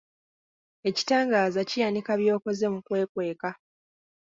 Ekitangaaza kiyanika by'okoze mu kwekweka.